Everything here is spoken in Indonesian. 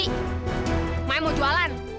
sik maya mau jualan